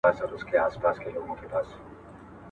زه پرون سبزېجات تيار کړل!